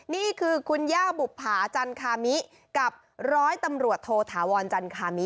นี่คือคุณย่าบุภาจันคามิกับร้อยตำรวจโทธาวรจันคามิ